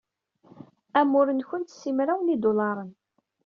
Amur-nwent simraw n yidulaṛen.